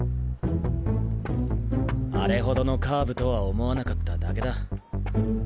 あれほどのカーブとは思わなかっただけだ。